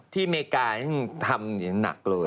ที่อเมกะทำนี่หนักเลย